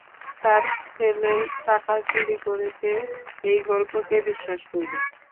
তার ছেলে টাকা চুরি করেছে এই গল্প কে বিশ্বাস করবে?